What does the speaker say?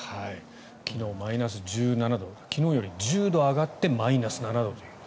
昨日マイナス１７度昨日より１０度上がってマイナス７度という。